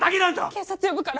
警察呼ぶから。